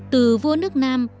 từ vua nước nam